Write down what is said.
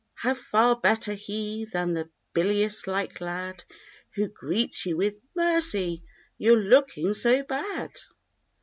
How far better, he, than the bilious like lad. Who greets you with, "Mercy! you're looking so bad!"